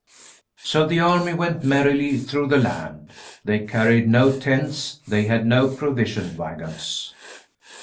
So the army went merrily through the land. They carried no tents, they had no provision wagons.